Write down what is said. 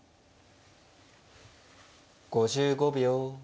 ５５秒。